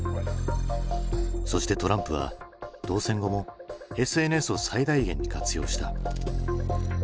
そしてトランプは当選後もＳＮＳを最大限に活用した。